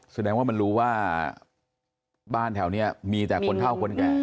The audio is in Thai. แสดงว่ามันรู้ว่าบ้านแถวนี้มีแต่คนเท่าคนแก่